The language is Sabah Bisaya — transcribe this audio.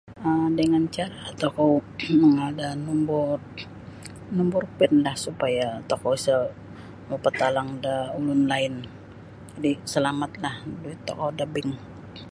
um Dengan cara tokou mangaal da numbur numbur pin lah supaya tokou isa mapatalang da ulun lain jadi salamatlah duit tokou da bank.